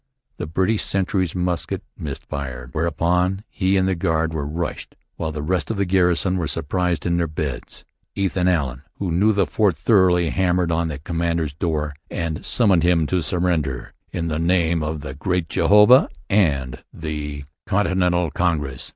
The British sentry's musket missed fire; whereupon he and the guard were rushed, while the rest of the garrison were surprised in their beds. Ethan Allen, who knew the fort thoroughly, hammered on the commandant's door and summoned him to surrender 'In the name of the Great Jehovah and the Continental Congress!'